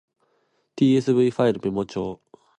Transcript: tsv ファイルメモ帳